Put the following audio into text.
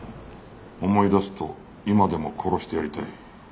「思い出すと今でも殺してやりたい」